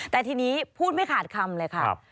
แต่ทีนี้พูดไม่ขาดคำเลยค่ะ